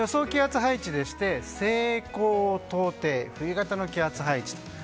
気圧配置でして西高東低冬型の気圧配置と。